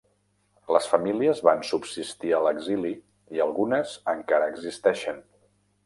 Les famílies van subsistir a l'exili i algunes encara existeixen.